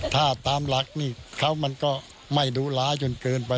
ถ้าตามหลักนี่เขามันก็ไม่ดุร้ายจนเกินไป